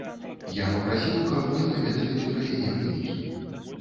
Я папрасіў, каб мне паведамілі пра яе вынікі.